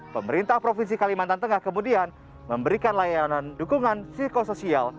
pemerintah provinsi kalimantan tengah kemudian memberikan layanan dukungan psikosoial